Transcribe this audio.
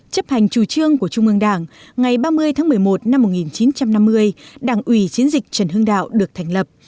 chấp hành chủ trương của trung ương đảng ngày ba mươi tháng một mươi một năm một nghìn chín trăm năm mươi đảng ủy chiến dịch trần hưng đạo được thành lập